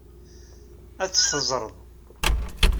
Ad tt-teẓreḍ.